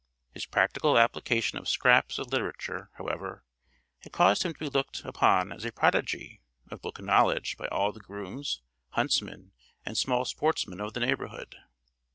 His practical application of scraps of literature, however, had caused him to be looked upon as a prodigy of book knowledge by all the grooms, huntsmen, and small sportsmen of the neighbourhood.